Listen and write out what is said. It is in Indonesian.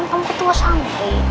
kamu ketua sampai